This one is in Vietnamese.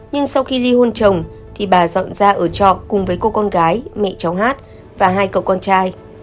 nhưng sau khi ly hôn chồng thì bà dọn ra ở trọ cùng với cô con gái mẹ cháu hát và hai cậu con trai